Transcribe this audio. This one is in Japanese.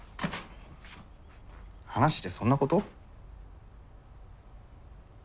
話ってそんなこと？